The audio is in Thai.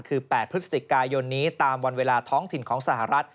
คือ๘พฤศจิกายนนี้ตามวันเวลาท้องถิ่นของสหรัฐ